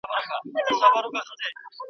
چي ستا په مخ کي د خالق د کور ښکلا ووینم !.